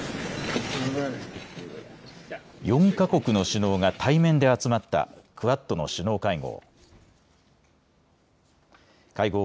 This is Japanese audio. ４か国の首脳が対面で集まったクアッドの首脳会合。